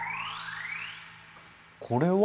これは？